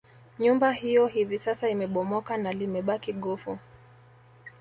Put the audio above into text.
Nyumba hiyo hivi sasa imebomoka na limebaki gofu